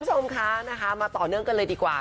คุณผู้ชมคะนะคะมาต่อเนื่องกันเลยดีกว่า